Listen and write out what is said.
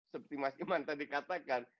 seperti mas iman tadi katakan